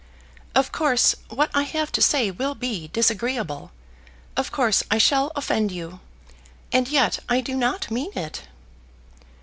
"Of course what I have to say will be disagreeable. Of course I shall offend you. And yet I do not mean it."